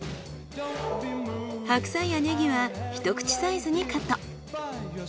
白菜やネギはひと口サイズにカット。